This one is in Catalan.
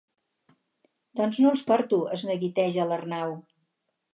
Doncs no els porto —es neguiteja l'Arnau—.